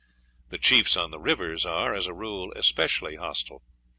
The chiefs on the rivers are, as a rule, specially hostile.